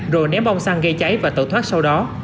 rồi ném bong xăng gây cháy và tự thoát sau đó